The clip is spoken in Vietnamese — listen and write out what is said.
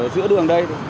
giữa đường đây